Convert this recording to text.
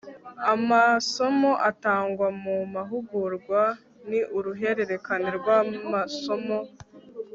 amasomo atangwa mu mahugurwa ni uruhererekane rw'amasomo